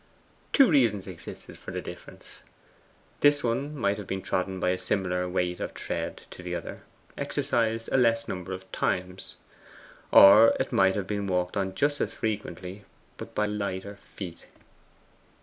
Two reasons existed for the difference. This one might have been trodden by a similar weight of tread to the other, exercised a less number of times; or it might have been walked just as frequently, but by lighter feet.